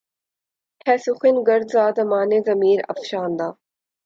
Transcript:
ہے سخن گرد ز دَامانِ ضمیر افشاندہ